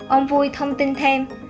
ông vui thông tin thêm